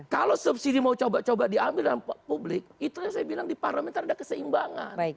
kalau subsidi mau coba coba diambil dalam publik itu yang saya bilang di parlementer ada keseimbangan